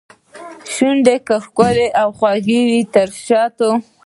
شونډو کې ښکلي او خواږه تر شاتو